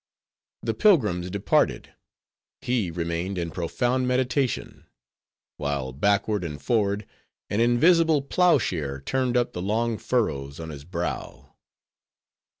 The pilgrims departed, he remained in profound meditation; while, backward and forward, an invisible ploughshare turned up the long furrows on his brow.